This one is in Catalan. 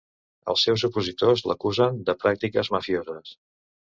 Els seus opositors l'acusen de pràctiques mafioses.